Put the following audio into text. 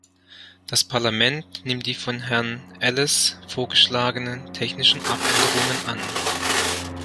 Das Parlament nimmt die von Herrn Elles vorgeschlagenen technischen Abänderungen an.